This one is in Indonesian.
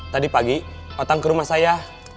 tadi pagi datang ke rumah saya